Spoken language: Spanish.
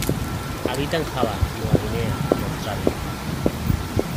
Habita en Java, Nueva Guinea y Australia.